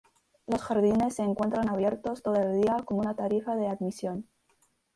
Los jardines se encuentran abiertos todo el día con una tarifa de admisión.